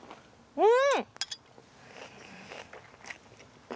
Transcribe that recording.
うん！